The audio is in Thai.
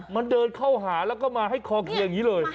มันเดินเข้าหาแล้วก็มาให้คอเคียงอย่างนี้เลย